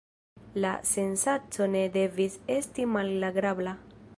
La sensaco ne devis esti malagrabla.